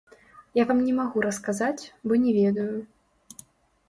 Я вам не магу расказаць, бо не ведаю.